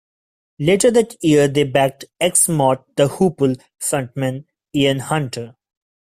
Later that year they backed ex-Mott the Hoople frontman Ian Hunter.